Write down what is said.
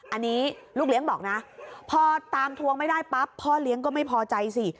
อันนี้ลูกเลี้ยงบอกนะพอตามทวงไม่ได้ปั๊บพ่อเลี้ยงก็ไม่พอใจสิ